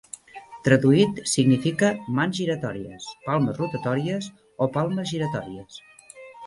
Traduït, significa "mans giratòries", "palmes rotatòries" o "palmes giratòries".